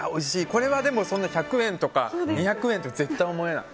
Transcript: これは１００円とか２００円とは絶対思えない。